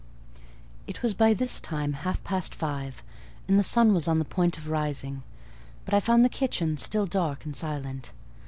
It was by this time half past five, and the sun was on the point of rising; but I found the kitchen still dark and silent.